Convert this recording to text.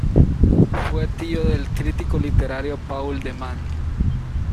Fue tío del crítico literario Paul de Man.